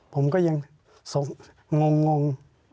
ผมก็ยังงง